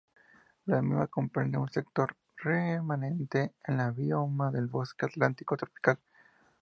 La misma comprende un sector remanente de la bioma del bosque atlántico tropical.